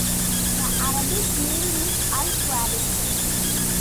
The Arabic name is Al-Quwarib.